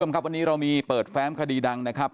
วันนี้เรามีเปิดแฟ้มคดีดังนะครับ